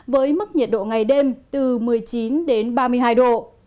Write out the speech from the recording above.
với mức nhiệt độ ngày đêm từ một mươi chín đến ba mươi hai độ